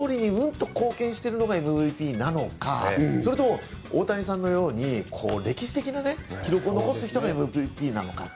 勝っているチームでその勝利にうんと貢献しているのがＭＶＰなのかそれとも大谷さんのように歴史的な記録を残す人がＭＶＰなのか。